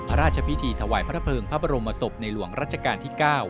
พระราชพิธีถวายพระเภิงพระบรมศพในหลวงรัชกาลที่๙